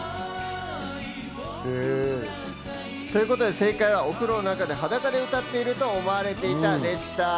正解は、お風呂の中で裸で歌っていると思われていたでした。